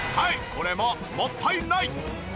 これももったいない！